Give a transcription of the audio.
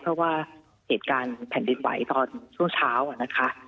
เพราะว่าเหตุการณ์แผ่นดินไหวตอนช่วงเช้านะคะ